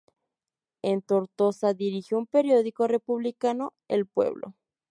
En Tortosa dirigió un periódico republicano, "El Pueblo".